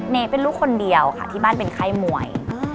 เป็นลูกคนเดียวค่ะที่บ้านเป็นค่ายมวย